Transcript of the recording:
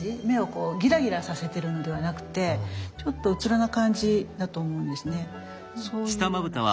目をこうギラギラさせてるのではなくてちょっとうつろな感じだと思うんですね。